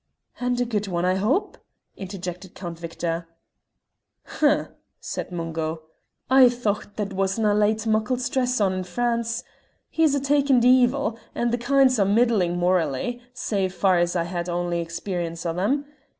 "And a good one, I hope?" interjected Count Victor. "Humph!" said Mungo. "I thocht that wasna laid muckle stress on in France. He's a takin' deevil, and the kind's but middlin' morally, sae far as I had ony experience o' them.